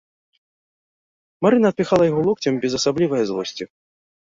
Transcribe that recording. Марына адпіхала яго локцем без асаблівае злосці.